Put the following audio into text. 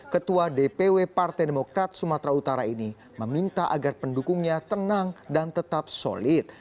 ketua dpw partai demokrat sumatera utara ini meminta agar pendukungnya tenang dan tetap solid